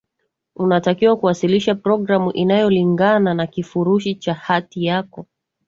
unatakiwa kuwasilisha programu inayolingana na kifurushi cha hati yako